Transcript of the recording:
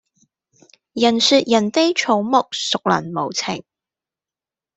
人說人非草木，孰能無情